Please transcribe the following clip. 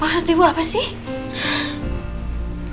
maksud ibu apa sih